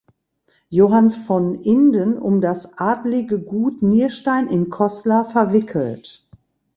Johann von Inden um das adlige Gut Nierstein in Koslar verwickelt.